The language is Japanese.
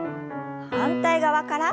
反対側から。